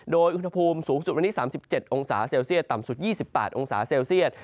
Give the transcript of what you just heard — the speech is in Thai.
โดยอุณหภูมิสูงสุดวันนี้๓๗องศาเซลเซียตต่ำสุด๒๘องศาเซลเซียต